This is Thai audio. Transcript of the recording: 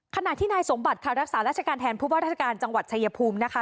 ขณะที่นายสมบัติค่ะรักษาราชการแทนผู้ว่าราชการจังหวัดชายภูมินะคะ